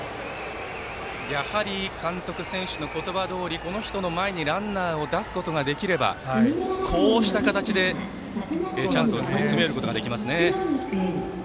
やはり、監督選手の言葉どおりこの人の前にランナーを出すことができればこうした形で、チャンスをつなぐことができますね。